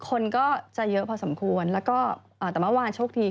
คนก็จะเยอะพอสมควรแต่เมื่อวานโฉคดี